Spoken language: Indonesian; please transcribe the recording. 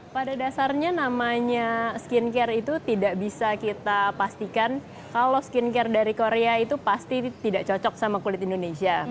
pada dasarnya namanya skincare itu tidak bisa kita pastikan kalau skincare dari korea itu pasti tidak cocok sama kulit indonesia